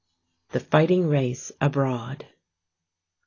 THE FIGHTING RACE ABROAD.